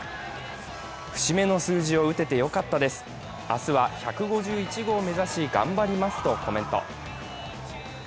節目の数字を打ててよかったです、明日は１５１号を目指し頑張りますとコメント。